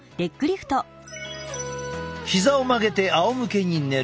膝を曲げてあおむけに寝る。